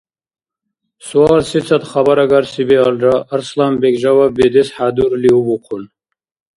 Суал сецад хабарагарси биалра, Арсланбег жаваб бедес хӀядурли увухъун.